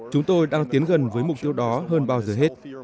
chúng tôi đang tiến gần với mục tiêu đó hơn bao giờ hết